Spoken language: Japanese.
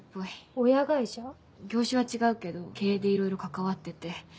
業種は違うけど経営でいろいろ関わってて。